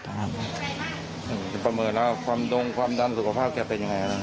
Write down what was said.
ข้าต้องประเมินว่าความดังรับสุขภาพเขาเป็นอย่างไร